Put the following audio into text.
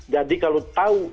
jadi kalau tahu